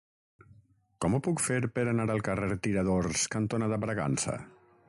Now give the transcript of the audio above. Com ho puc fer per anar al carrer Tiradors cantonada Bragança?